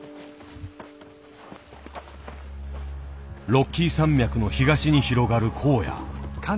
ロッキー山脈の東に広がる荒野。